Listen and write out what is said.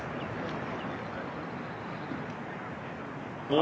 お！